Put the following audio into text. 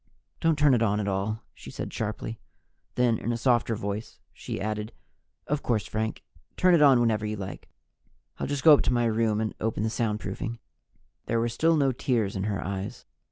"Don't turn it on at all!" she said sharply. Then, in a softer voice, she added: "Of course, Frank, turn it on whenever you like. I'll just go to my room and open the soundproofing." There were still no tears in her eyes.